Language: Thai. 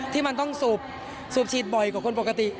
ที่มันต้องสูบฉีดบ่อยกว่าคนปกติ